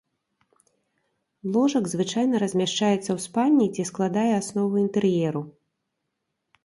Ложак звычайна размяшчаецца ў спальні, дзе складае аснову інтэр'еру.